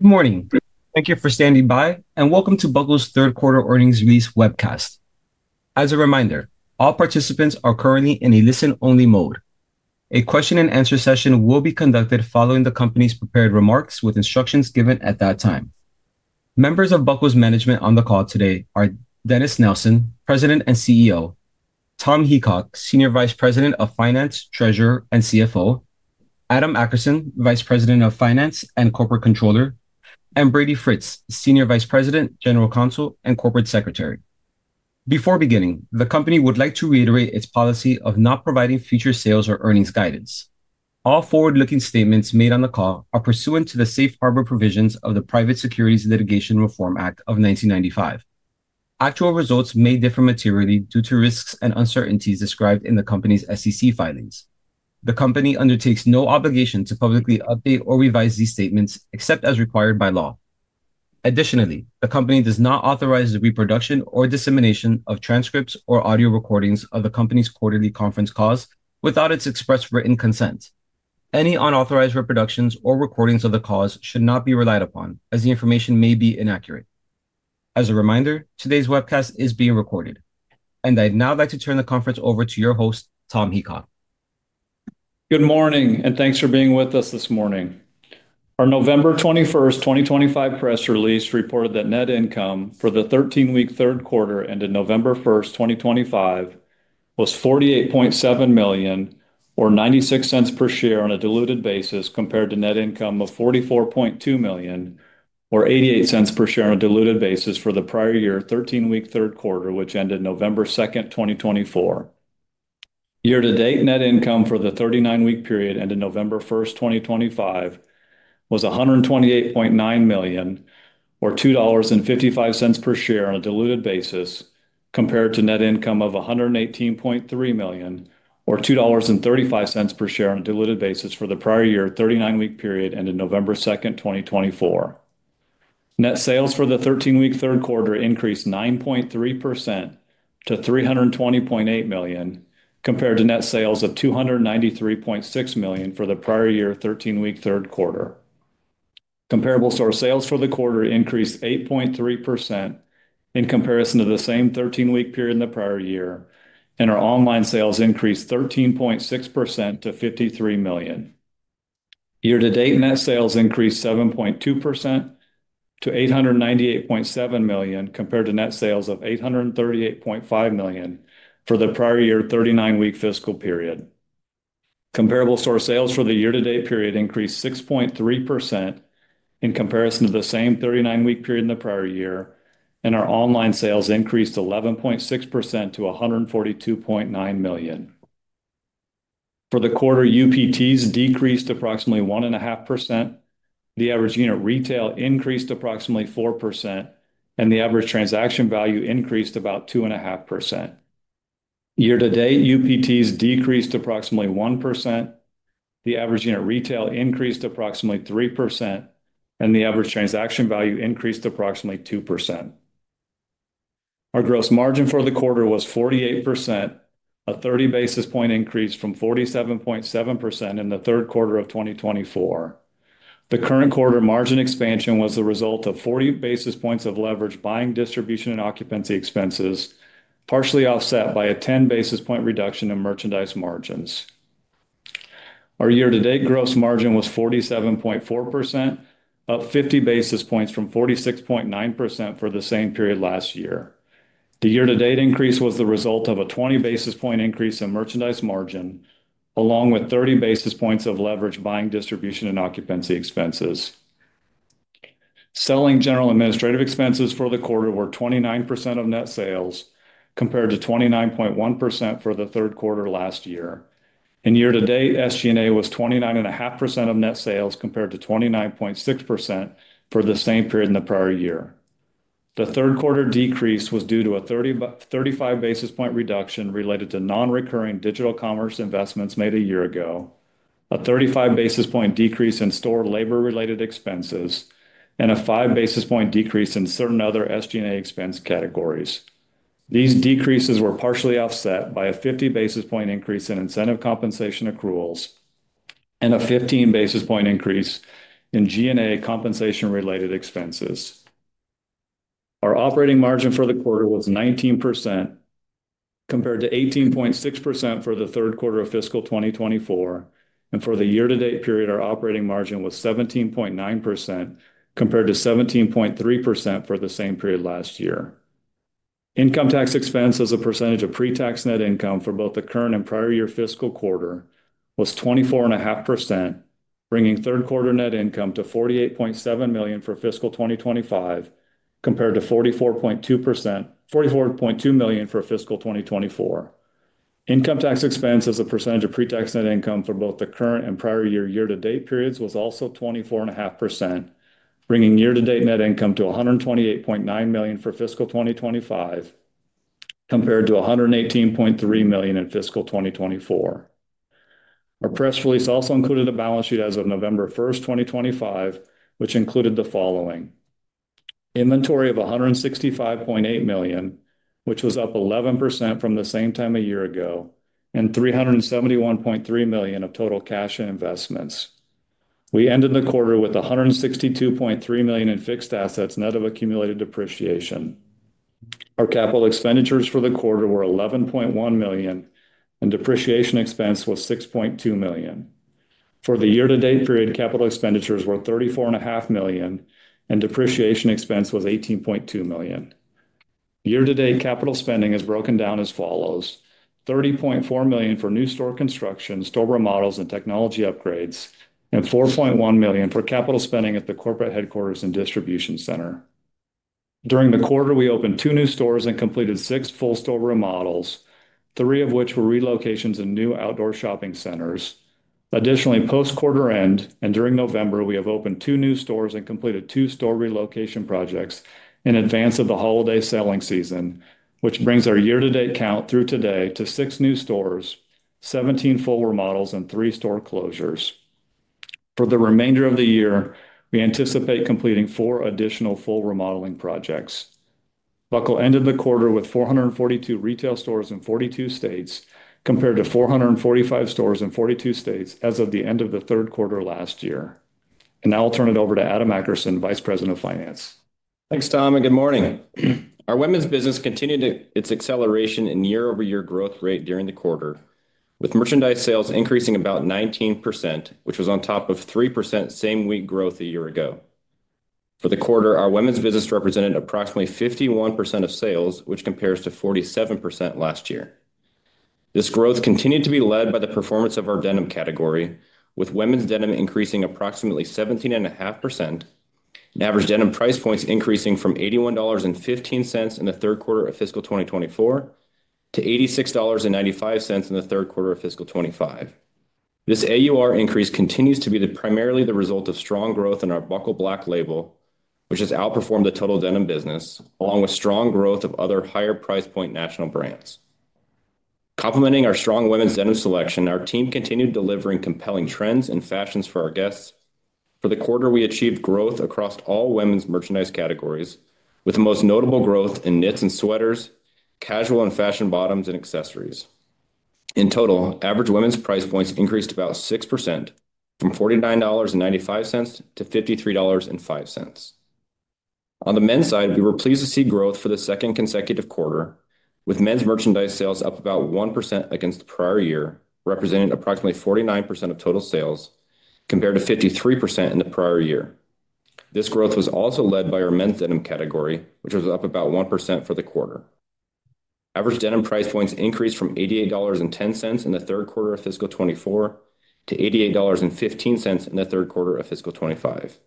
Good morning. Thank you for standing by, and welcome to Buckle's Third Quarter Earnings Release Webcast. As a reminder, all participants are currently in a listen-only mode. A question-and-answer session will be conducted following the company's prepared remarks, with instructions given at that time. Members of Buckle's management on the call today are Dennis Nelson, President and CEO; Tom Heacock, Senior Vice President of Finance, Treasurer, and CFO; Adam Akerson, Vice President of Finance and Corporate Controller; and Brady Fritz, Senior Vice President, General Counsel, and Corporate Secretary. Before beginning, the company would like to reiterate its policy of not providing future sales or earnings guidance. All forward-looking statements made on the call are pursuant to the safe harbor provisions of the Private Securities Litigation Reform Act of 1995. Actual results may differ materially due to risks and uncertainties described in the company's SEC filings. The company undertakes no obligation to publicly update or revise these statements, except as required by law. Additionally, the company does not authorize the reproduction or dissemination of transcripts or audio recordings of the company's quarterly conference calls without its express written consent. Any unauthorized reproductions or recordings of the calls should not be relied upon, as the information may be inaccurate. As a reminder, today's webcast is being recorded, and I'd now like to turn the conference over to your host, Tom Heacock. Good morning, and thanks for being with us this morning. Our November 21, 2025 press release reported that net income for the 13-week third quarter ended November 1, 2025, was $48.7 million, or $0.96 per share on a diluted basis, compared to net income of $44.2 million, or $0.88 per share on a diluted basis for the prior year 13-week third quarter, which ended November 2, 2024. Year-to-date net income for the 39-week period ended November 1, 2025, was $128.9 million, or $2.55 per share on a diluted basis, compared to net income of $118.3 million, or $2.35 per share on a diluted basis for the prior year 39-week period ended November 2, 2024. Net sales for the 13-week third quarter increased 9.3% to $320.8 million, compared to net sales of $293.6 million for the prior year 13-week third quarter. Comparable store sales for the quarter increased 8.3% in comparison to the same 13-week period in the prior year, and our online sales increased 13.6% to $53 million. Year-to-date net sales increased 7.2% to $898.7 million, compared to net sales of $838.5 million for the prior year 39-week fiscal period. Comparable store sales for the year-to-date period increased 6.3% in comparison to the same 39-week period in the prior year, and our online sales increased 11.6% to $142.9 million. For the quarter, UPTs decreased approximately 1.5%. The average unit retail increased approximately 4%, and the average transaction value increased about 2.5%. Year-to-date, UPTs decreased approximately 1%. The average unit retail increased approximately 3%, and the average transaction value increased approximately 2%. Our gross margin for the quarter was 48%, a 30 basis point increase from 47.7% in the third quarter of 2024. The current quarter margin expansion was the result of 40 basis points of leverage buying distribution and occupancy expenses, partially offset by a 10 basis point reduction in merchandise margins. Our year-to-date gross margin was 47.4%, up 50 basis points from 46.9% for the same period last year. The year-to-date increase was the result of a 20 basis point increase in merchandise margin, along with 30 basis points of leverage buying distribution and occupancy expenses. Selling general administrative expenses for the quarter were 29% of net sales, compared to 29.1% for the third quarter last year. In year-to-date, SG&A was 29.5% of net sales, compared to 29.6% for the same period in the prior year. The third quarter decrease was due to a 35 basis point reduction related to non-recurring digital commerce investments made a year ago, a 35 basis point decrease in store labor-related expenses, and a 5 basis point decrease in certain other SG&A expense categories. These decreases were partially offset by a 50 basis point increase in incentive compensation accruals and a 15 basis point increase in G&A compensation-related expenses. Our operating margin for the quarter was 19%, compared to 18.6% for the third quarter of fiscal 2024. For the year-to-date period, our operating margin was 17.9%, compared to 17.3% for the same period last year. Income tax expense as a percentage of pre-tax net income for both the current and prior year fiscal quarter was 24.5%, bringing third quarter net income to $48.7 million for fiscal 2025, compared to $44.2 million for fiscal 2024. Income tax expense as a percentage of pre-tax net income for both the current and prior year year-to-date periods was also 24.5%, bringing year-to-date net income to $128.9 million for fiscal 2025, compared to $118.3 million in fiscal 2024. Our press release also included a balance sheet as of November 1st, 2025, which included the following: inventory of $165.8 million, which was up 11% from the same time a year ago, and $371.3 million of total cash and investments. We ended the quarter with $162.3 million in fixed assets net of accumulated depreciation. Our capital expenditures for the quarter were $11.1 million, and depreciation expense was $6.2 million. For the year-to-date period, capital expenditures were $34.5 million, and depreciation expense was $18.2 million. Year-to-date capital spending is broken down as follows: $30.4 million for new store construction, store remodels, and technology upgrades, and $4.1 million for capital spending at the corporate headquarters and distribution center. During the quarter, we opened two new stores and completed six full store remodels, three of which were relocations and new outdoor shopping centers. Additionally, post-quarter end and during November, we have opened two new stores and completed two store relocation projects in advance of the holiday selling season, which brings our year-to-date count through today to six new stores, 17 full remodels, and three store closures. For the remainder of the year, we anticipate completing four additional full remodeling projects. The Buckle ended the quarter with 442 retail stores in 42 states, compared to 445 stores in 42 states as of the end of the third quarter last year. I'll turn it over to Adam Akerson, Vice President of Finance. Thanks, Tom, and good morning. Our women's business continued its acceleration in year-over-year growth rate during the quarter, with merchandise sales increasing about 19%, which was on top of 3% same-week growth a year ago. For the quarter, our women's business represented approximately 51% of sales, which compares to 47% last year. This growth continued to be led by the performance of our denim category, with women's denim increasing approximately 17.5%, and average denim price points increasing from $81.15 in the third quarter of fiscal 2024 to $86.95 in the third quarter of fiscal 2025. This AUR increase continues to be primarily the result of strong growth in our Buckle Black label, which has outperformed the total denim business, along with strong growth of other higher price point national brands. Complementing our strong women's denim selection, our team continued delivering compelling trends and fashions for our guests. For the quarter, we achieved growth across all women's merchandise categories, with the most notable growth in knits and sweaters, casual and fashion bottoms, and accessories. In total, average women's price points increased about 6% from $49.95 to $53.05. On the men's side, we were pleased to see growth for the second consecutive quarter, with men's merchandise sales up about 1% against the prior year, representing approximately 49% of total sales, compared to 53% in the prior year. This growth was also led by our men's denim category, which was up about 1% for the quarter. Average denim price points increased from $88.10 in the third quarter of fiscal 2024 to $88.15 in the third quarter of fiscal 2025.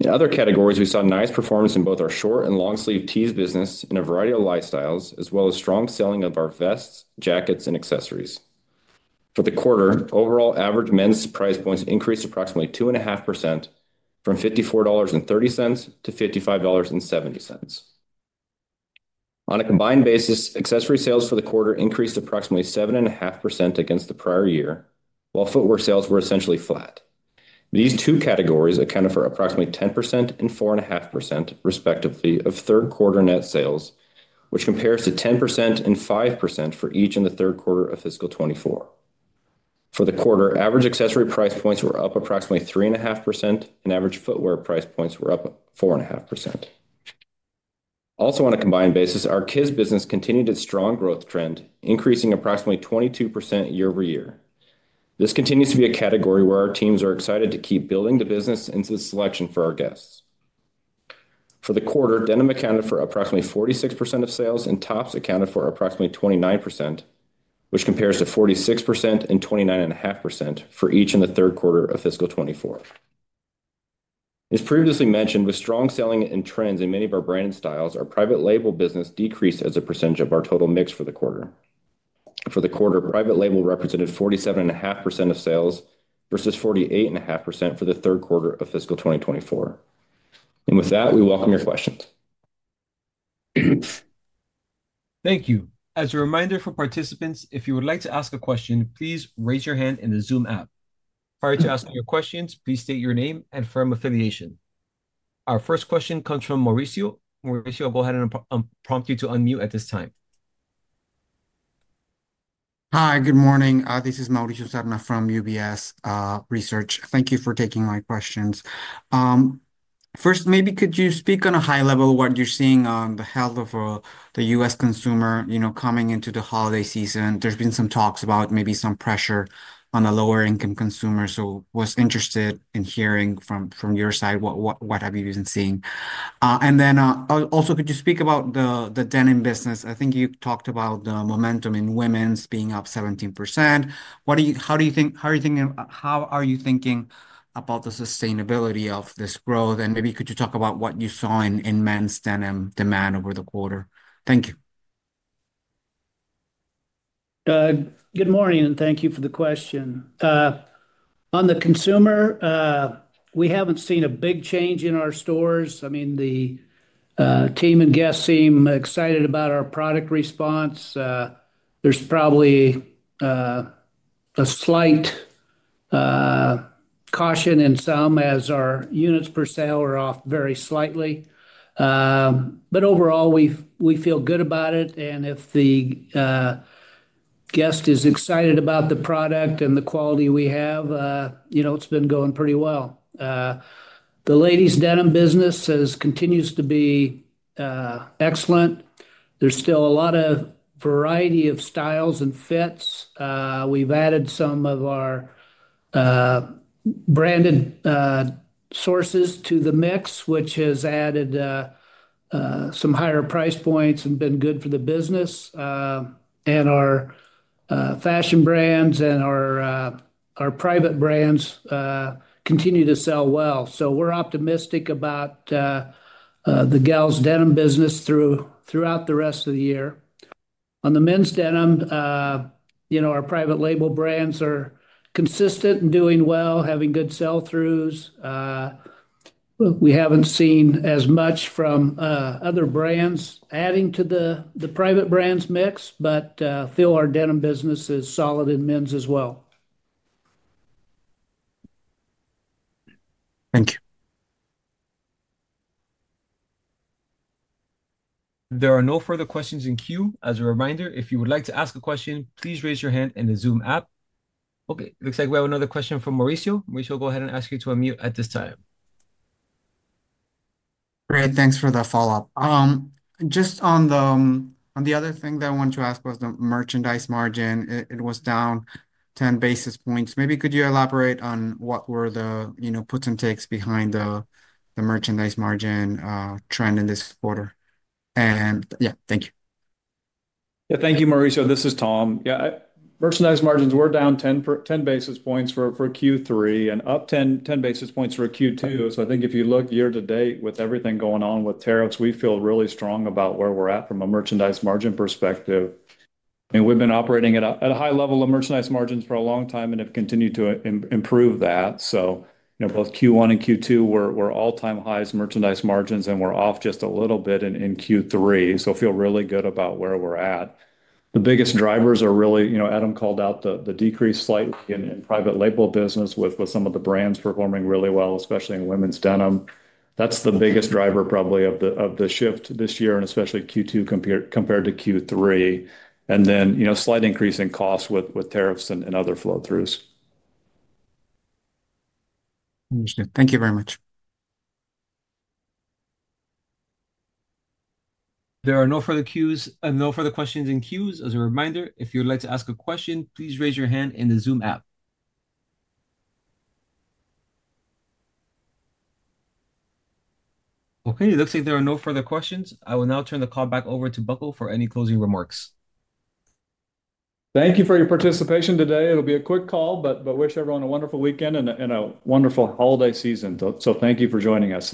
In other categories, we saw nice performance in both our short and long-sleeve tees business and a variety of lifestyles, as well as strong selling of our vests, jackets, and accessories. For the quarter, overall average men's price points increased approximately 2.5% from $54.30 to $55.70. On a combined basis, accessory sales for the quarter increased approximately 7.5% against the prior year, while footwear sales were essentially flat. These two categories accounted for approximately 10% and 4.5%, respectively, of third quarter net sales, which compares to 10% and 5% for each in the third quarter of fiscal 2024. For the quarter, average accessory price points were up approximately 3.5%, and average footwear price points were up 4.5%. Also, on a combined basis, our kids' business continued its strong growth trend, increasing approximately 22% year-over-year. This continues to be a category where our teams are excited to keep building the business and the selection for our guests. For the quarter, denim accounted for approximately 46% of sales, and tops accounted for approximately 29%, which compares to 46% and 29.5% for each in the third quarter of fiscal 2024. As previously mentioned, with strong selling and trends in many of our branded styles, our private label business decreased as a percentage of our total mix for the quarter. For the quarter, private label represented 47.5% of sales versus 48.5% for the third quarter of fiscal 2024. With that, we welcome your questions. Thank you. As a reminder for participants, if you would like to ask a question, please raise your hand in the Zoom app. Prior to asking your questions, please state your name and firm affiliation. Our first question comes from Mauricio. Mauricio, I'll go ahead and prompt you to unmute at this time. Hi, good morning. This is Mauricio Serna from UBS Research. Thank you for taking my questions. First, maybe could you speak on a high level what you're seeing on the health of the U.S. consumer coming into the holiday season? There's been some talks about maybe some pressure on the lower-income consumers, so I was interested in hearing from your side what have you been seeing. Also, could you speak about the denim business? I think you talked about the momentum in women's being up 17%. How do you think, how are you thinking about the sustainability of this growth? Maybe could you talk about what you saw in men's denim demand over the quarter? Thank you. Good morning, and thank you for the question. On the consumer, we haven't seen a big change in our stores. I mean, the team and guests seem excited about our product response. There's probably a slight caution in some, as our units per sale are off very slightly. Overall, we feel good about it. If the guest is excited about the product and the quality we have, it's been going pretty well. The ladies' denim business continues to be excellent. There's still a lot of variety of styles and fits. We've added some of our branded sources to the mix, which has added some higher price points and been good for the business. Our fashion brands and our private brands continue to sell well. We are optimistic about the girls' denim business throughout the rest of the year. On the men's denim, our private label brands are consistent and doing well, having good sell-throughs. We haven't seen as much from other brands adding to the private brands mix, but I feel our denim business is solid in men's as well. Thank you. There are no further questions in queue. As a reminder, if you would like to ask a question, please raise your hand in the Zoom app. Okay. Looks like we have another question from Mauricio. Mauricio, go ahead and ask you to unmute at this time. Great. Thanks for the follow-up. Just on the other thing that I wanted to ask was the merchandise margin. It was down 10 basis points. Maybe could you elaborate on what were the puts and takes behind the merchandise margin trend in this quarter? Yeah, thank you. Yeah, thank you, Mauricio. This is Tom. Yeah, merchandise margins were down 10 basis points for Q3 and up 10 basis points for Q2. I think if you look year-to-date with everything going on with tariffs, we feel really strong about where we're at from a merchandise margin perspective. We've been operating at a high level of merchandise margins for a long time and have continued to improve that. Both Q1 and Q2 were all-time highs merchandise margins, and we're off just a little bit in Q3. I feel really good about where we're at. The biggest drivers are really, Adam called out the decrease slightly in private label business with some of the brands performing really well, especially in women's denim. That's the biggest driver probably of the shift this year and especially Q2 compared to Q3. was a slight increase in costs with tariffs and other flow-throughs. Understood. Thank you very much. There are no further queues and no further questions in queues. As a reminder, if you'd like to ask a question, please raise your hand in the Zoom app. Okay. It looks like there are no further questions. I will now turn the call back over to Buckle for any closing remarks. Thank you for your participation today. It'll be a quick call, but wish everyone a wonderful weekend and a wonderful holiday season. Thank you for joining us.